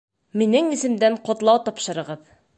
Минең исемдән ҡотлау тапшырығыҙ